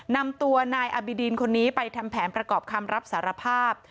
นำตัวนายอบิดินคนนี้ไปทำแผนประกอบคำรับสารภาพ